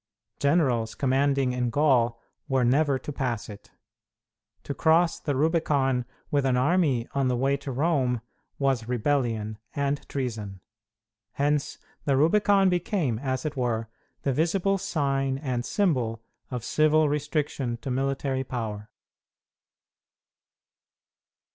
Generals commanding in Gaul were never to pass it. To cross the Rubicon with an army on the way to Rome was rebellion and treason. Hence the Rubicon became, as it were, the visible sign and symbol of civil restriction to military power.